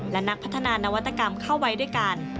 และนักพัฒนานวัตกรรมเข้าไว้ด้วยกัน